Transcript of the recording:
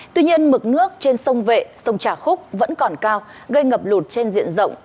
tuy nhiên mực nước trên sông vệ sông trà khúc vẫn còn cao gây ngập lụt trên diện rộng